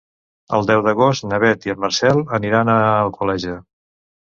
El deu d'agost na Beth i en Marcel aniran a Alcoleja.